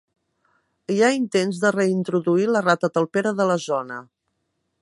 Hi ha intents de reintroduir la rata talpera la zona.